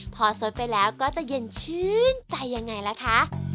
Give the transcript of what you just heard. พอสดไปแล้วก็จะเย็นชื่นใจยังไงล่ะคะ